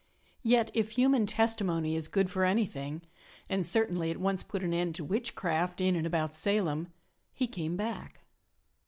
Yet if human testimony is good for anything (and certainly it once put an end to witchcraft in and about Salem ) he came back.